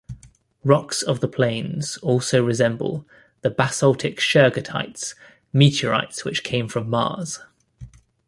Rocks of the plains also resemble the basaltic shergottites, meteorites which came from Mars.